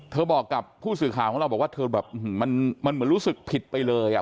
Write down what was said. บอกกับผู้สื่อข่าวของเราบอกว่าเธอแบบมันเหมือนรู้สึกผิดไปเลย